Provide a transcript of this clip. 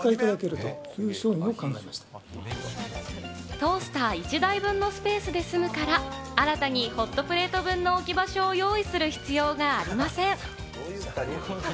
トースター１台分のスペースで済むから新たにホットプレート分の置き場所を用意する必要がありません。